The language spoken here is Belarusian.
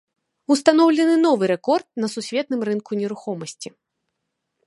Устаноўлены новы рэкорд на сусветным рынку нерухомасці.